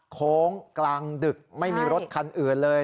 โค้งกลางดึกไม่มีรถคันอื่นเลย